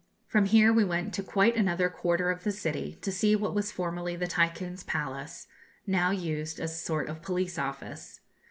From here we went to quite another quarter of the city to see what was formerly the Tycoon's palace, now used as a sort of police office.